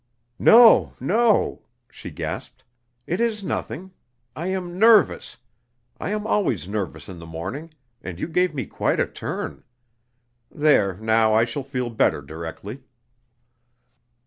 "No, no," she gasped. "It is nothing. I am nervous. I am always nervous in the morning, and you gave me quite a turn. There now, I shall feel better directly."